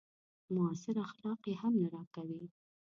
معاصر اخلاق يې هم نه راکوي.